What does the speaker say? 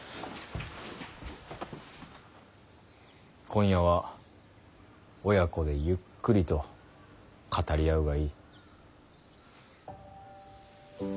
今夜は親子でゆっくりと語り合うがいい。